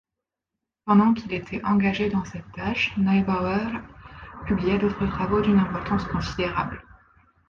Pendant qu'il était engagé dans cette tâche, Neubauer publia d'autres travaux d'une importance considérable.